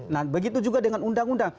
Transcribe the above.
nah begitu juga dengan undang undang